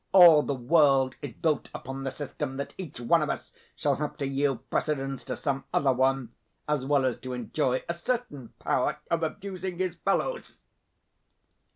All the world is built upon the system that each one of us shall have to yield precedence to some other one, as well as to enjoy a certain power of abusing his fellows.